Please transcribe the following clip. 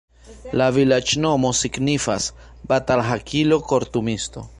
La vilaĝnomo signifas: batalhakilo-kortumisto.